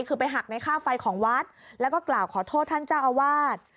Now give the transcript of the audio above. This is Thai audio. คือไปหักในค่าไฟของวัดแล้วก็กล่าวขอโทษท่านเจ้าอาวาส